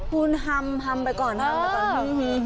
คุณฮ่ำฮ่ำไปก่อนฮ่ำไปก่อน